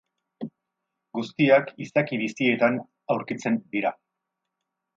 Guztiak izaki bizietan aurkitzen dira.